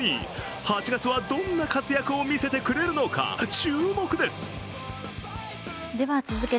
８月はどんな活躍を見せてくれるのか注目です。